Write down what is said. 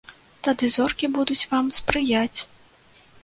Тады зоркі будуць вам спрыяць.